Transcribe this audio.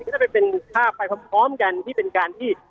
ก็จะไปเป็นภาพไปพร้อมกันที่เป็นการที่